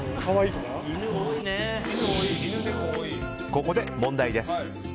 ここで問題です。